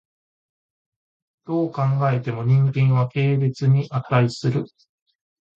どう考えても人間は軽蔑に価する。